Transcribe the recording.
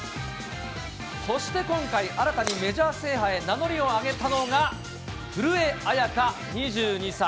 そして今回、新たにメジャー制覇へ名乗りを上げたのが、古江彩佳２２歳。